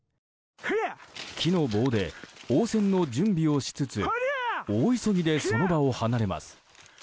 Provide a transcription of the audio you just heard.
木の棒で応戦の準備をしつつ大急ぎでその場を離れます。